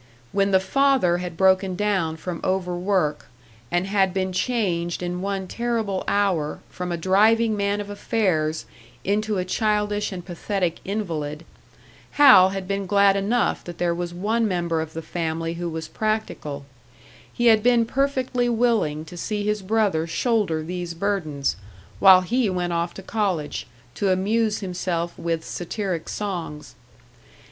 When the father had broken down from over work, and had been changed in one terrible hour from a driving man of affairs into a childish and pathetic invalid, Hal had been glad enough that there was one member of the family who was practical; he had been perfectly willing to see his brother shoulder these burdens, while he went off to college, to amuse himself with satiric songs.